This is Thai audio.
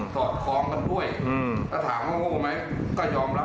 ถ้าถามข้างโลกไหมก็ยอมรับข้างโลก